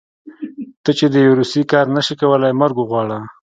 ته چې د يو روسي کار نشې کولی مرګ وغواړه.